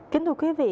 kính thưa quý vị